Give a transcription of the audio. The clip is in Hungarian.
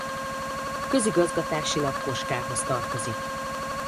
Közigazgatásilag Koskához tartozik.